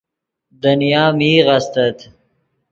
دنیا میغ استت